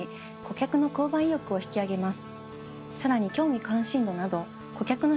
さらに興味関心度など。